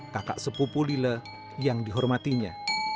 kakak sepupu lila yang dihormatinya